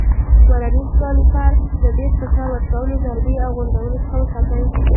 ورنیز کالیپر له ډېر فشار ورکولو، ضربې او غورځولو څخه وساتئ.